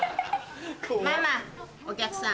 ママお客さん。